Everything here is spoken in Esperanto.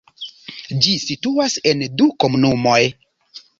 Ĝi situas en du komunumoj.